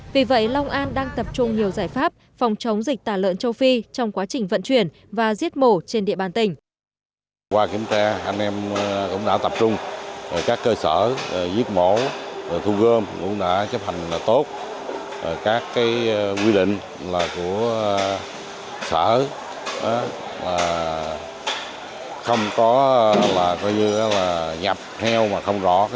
vì vậy long an đang tập trung nhiều giải pháp phòng chống dịch tả lợn châu phi trong quá trình vận chuyển và giết mổ trên địa bàn tỉnh